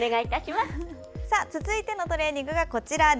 続いてのトレーニングがこちら。